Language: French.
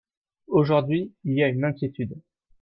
Aujourd’hui, il y a une inquiétude.